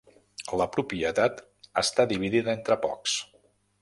La propietat està dividida entre pocs.